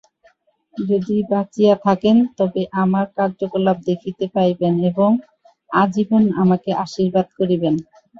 যদি বাঁচিয়া থাকেন, তবে আমার কার্যকলাপ দেখিতে পাইবেন এবং আজীবন আমাকে আশীর্বাদ করিবেন।